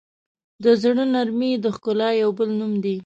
د زړه نرمي د ښکلا یو بل نوم دی.